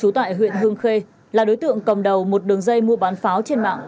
trú tại huyện hương khê là đối tượng cầm đầu một đường dây mua bán pháo trên mạng